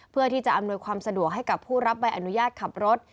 ที่จะอำนวยความสะดวกให้กับผู้รับใบอนุญาตขับรถ